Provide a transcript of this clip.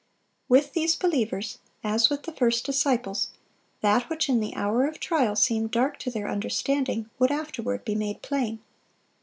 With these believers, as with the first disciples, that which in the hour of trial seemed dark to their understanding, would afterward be made plain.